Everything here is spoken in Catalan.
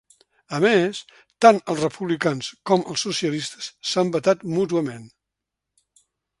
A més, tant els republicans com els socialistes s’han vetat mútuament.